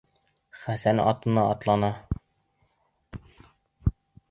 Хәсән атына атлана.